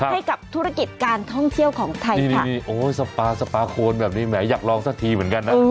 ให้กับธุรกิจการท่องเที่ยวของไทยนี่โอ้ยสปาสปาโคนแบบนี้แหมอยากลองสักทีเหมือนกันนะ